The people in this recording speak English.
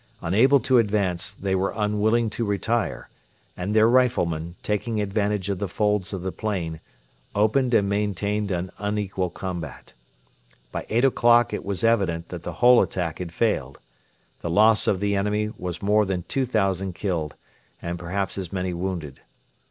Unable to advance, they were unwilling to retire; and their riflemen, taking advantage of the folds of the plain, opened and maintained an unequal combat. By eight o'clock it was evident that the whole attack had failed. The loss of the enemy was more than 2,000 killed, and perhaps as many wounded.